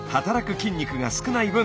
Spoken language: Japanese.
筋肉が少ない分